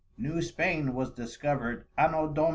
New Spain was discovered _Anno Dom.